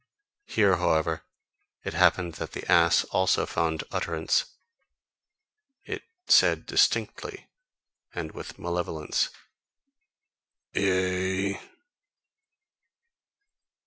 (Here, however, it happened that the ass also found utterance: it said distinctly and with malevolence, Y E A.)